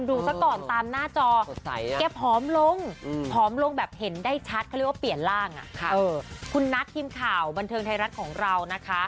ก่อนตามหน้าจอแกผอมลงผอมลงแบบเห็นได้ชัดเขาเรียกว่าเปลี่ยนร่างคุณนัททีมข่าวบันเทิงไทยรัฐของเรานะคะ